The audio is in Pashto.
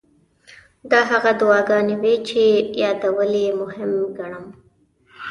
دا هغه دعاګانې وې چې یادول یې مهم ګڼم.